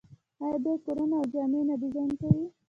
آیا دوی کورونه او جامې نه ډیزاین کوي؟